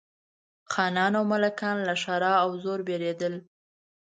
خانان او ملکان له ښرا او زور بېرېدل.